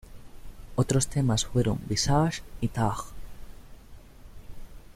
Otros temas fueron "Visage" y "Tar".